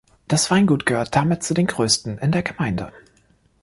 Das Weingut gehört damit zu den größten in der Gemeinde.